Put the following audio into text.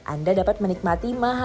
anda dapat menikmati mahalnya